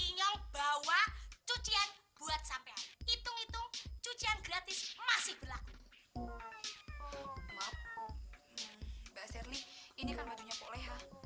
ini bawa cucian buat sampai hitung hitung cucian gratis masih berlaku